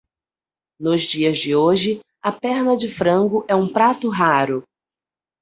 Nos dias de hoje, a perna de frango é um prato raro.